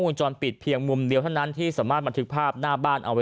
วงจรปิดเพียงมุมเดียวเท่านั้นที่สามารถบันทึกภาพหน้าบ้านเอาไว้